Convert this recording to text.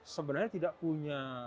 sebenarnya tidak punya